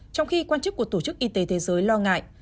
trong khi quan chức của tổ chức y tế thế giới lo ngại